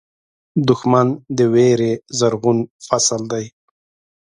دښمن د وېرې زرغون فصل دی